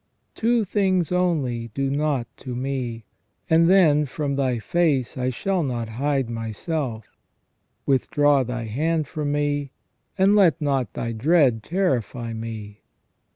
" Two things only do not to me, and then from Thy face I shall not hide myself: withdraw Thy hand from me, and let not Thy dread terrify me.